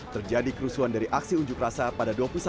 terjadi kerusuhan dari aksi unjuk rasa pada dua puluh satu